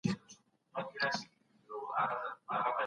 زورزياتي د ټولنې نظم خرابوي.